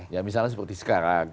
ya misalnya seperti sekarang